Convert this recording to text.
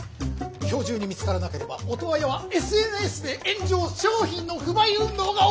今日中に見つからなければオトワヤはＳＮＳで炎上商品の不買運動が起こる。